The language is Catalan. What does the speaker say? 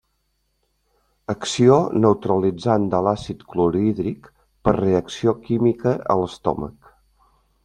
Acció neutralitzant de l'àcid clorhídric per reacció química a l'estómac.